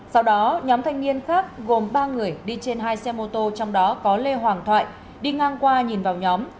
sau đó nhóm thanh niên khác gồm ba người đi trên hai xe mô tô trong đó có lê hoàng thoại đi ngang qua nhìn vào nhóm